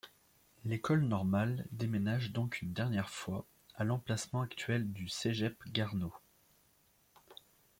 L'École normale déménage donc une dernière fois, à l'emplacement actuel du Cégep Garneau.